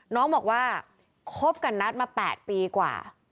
น้องบอกว่าคบกับนัทมา๘ปีกว่า